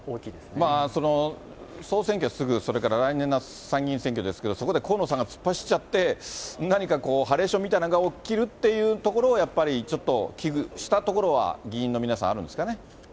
総選挙はすぐ、それから来年夏、参議院選挙ですけれども、そこで河野さんが突っ走っちゃって、何かハレーションみたいなのが起きるっていうところをやっぱりちょっと危惧したところは、議員の皆さん、あるんですかね。